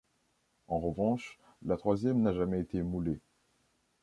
En revanche la troisième n'a jamais été moulée.